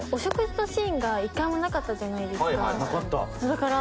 だから。